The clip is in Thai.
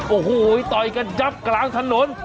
โอ้โหต่อยกันยับกลางถนน